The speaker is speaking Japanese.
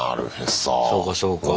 そうかそうか。